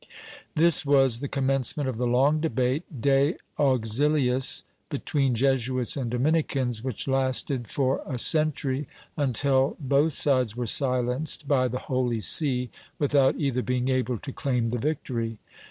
^ This was the commencement of the long debate De Auxiliis, between Jesuits and Dominicans, which lasted for a century, until both sides were silenced by the Holy See, without either being able to claim the victory.